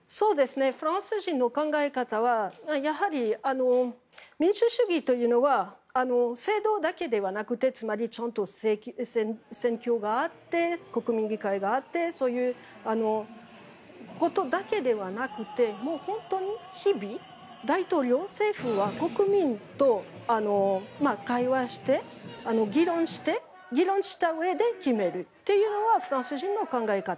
フランス人の考え方は民主主義というのは制度だけではなくてつまりちゃんと選挙があって国民議会があってそういうことだけではなくてもう本当に日々、大統領、政府は国民と会話して議論して議論したうえで決めるというのはフランス人の考え方。